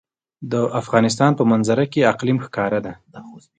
د افغانستان په منظره کې اقلیم ښکاره ده.